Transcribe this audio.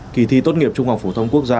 kỳ thi tốt nghiệp trung học phổ thông quốc gia